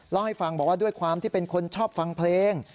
เล่าให้ฟังบอกว่าด้วยความที่เป็นคนชอบฟังเพลง